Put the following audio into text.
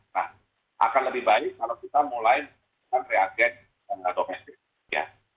nah akan lebih baik kalau kita mulai dengan reagent atau medis